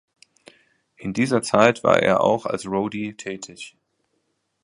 In dieser Zeit war er auch als Roadie tätig.